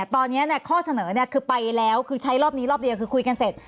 ตอนนี้ข้อเสนอคือไปแล้วคือใช้รอบนี้รอบเดียวคือคุยกันเสร็จ